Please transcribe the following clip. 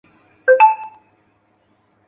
他们还照顾朝圣者的需要。